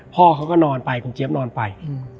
พ่อเขาก็นอนไปคุณเจี๊ยบนอนไป